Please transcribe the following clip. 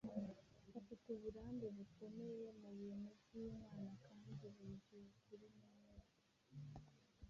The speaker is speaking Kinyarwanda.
bafite uburambe bukomeye mu bintu by’Imana kandi buzuye ukuri n’umwete.